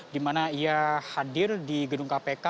di mana ia hadir di gedung kpk